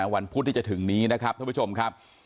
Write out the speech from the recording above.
วันพุธที่จะถึงนี้นะครับท่านผู้ชมครับ